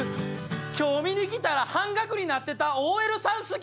今日見に来たら半額になってたＯＬさん好き」